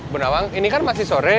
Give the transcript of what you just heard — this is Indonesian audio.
bu nawang ini kan masih sore